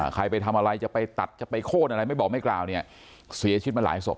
ใครไปทำอะไรจะไปตัดจะไปโค้นอะไรไม่บอกไม่กล่าวเนี่ยเสียชีวิตมาหลายศพ